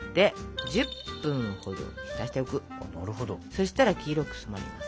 そしたら黄色く染まります。